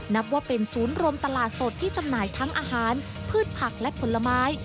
นับว่าเป็นศูนย์รวมตลาดสดที่จำหน่ายทั้งอาหารพืชผักและผลไม้